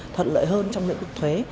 thuận lợi hơn trong lĩnh vực thuế